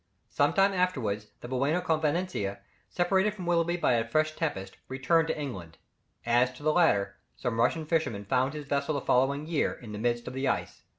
Some time afterwards, the Buona Confidencia, separated from Willoughby by a fresh tempest, returned to England. As to the latter, some Russian fishermen found his vessel the following year, in the midst of the ice.